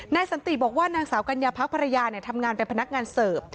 สันติบอกว่านางสาวกัญญาพักภรรยาทำงานเป็นพนักงานเสิร์ฟ